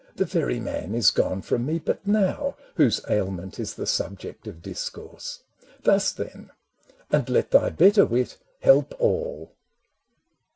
The very man is gone from me but now, Whose ailment is the subject of discourse. Thus then, and let thy better wit help all